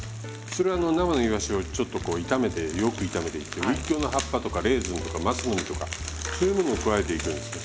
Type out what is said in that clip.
それは生のイワシをちょっとこう炒めてよく炒めてウイキョウの葉っぱとかレーズンとか松の実とかそういうものを加えていくんですよ。